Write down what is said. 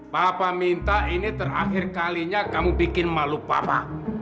bapak minta ini terakhir kalinya kamu bikin malu papa